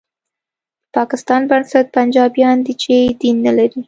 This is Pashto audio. د پاکستان بنسټ پنجابیان دي چې دین نه لري